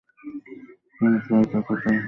কেনো, ছেলেটি কোথায়?